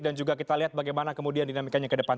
dan juga kita lihat bagaimana kemudian dinamikannya ke depan